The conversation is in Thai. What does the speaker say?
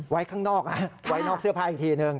ไว้ข้างนอกเสื้อผ้าอีกทีหนึ่ง